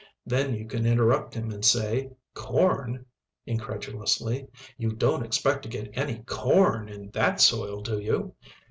Then you can interrupt him and say: "Corn?" incredulously. "You don't expect to get any corn in that soil do you?